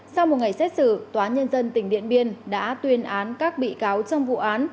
sau một ngày xét xử tòa nhân dân tỉnh điện biên đã tuyên án các bị cáo trong vụ án